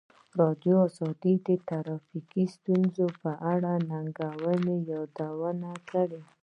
ازادي راډیو د ټرافیکي ستونزې په اړه د ننګونو یادونه کړې.